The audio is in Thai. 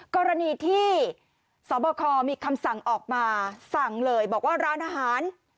กรณีที่สบคมีคำสั่งออกมาสั่งเลยบอกว่าร้านอาหาร